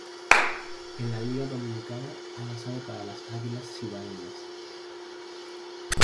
En la Liga Dominicana ha lanzado para las Águilas Cibaeñas.